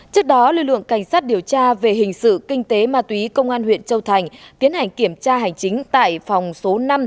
trước đó lực lượng cảnh sát điều tra về hình sự kinh tế ma túy công an huyện châu thành tiến hành kiểm tra hành chính tại phòng số năm